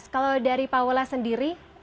kalau dari pak wala sendiri